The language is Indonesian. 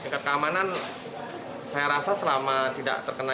tingkat keamanan saya rasa selama tidak terkena